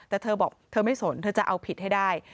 แต่เธอบอกเธอไม่สนเธอจะเอาผิดให้ได้